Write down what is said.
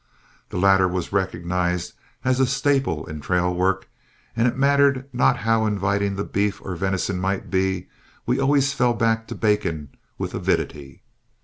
The latter was recognized as a staple in trail work, and it mattered not how inviting the beef or venison might be, we always fell back to bacon with avidity.